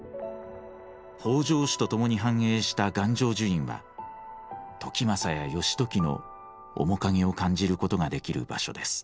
北条氏と共に繁栄した願成就院は時政や義時の面影を感じることができる場所です。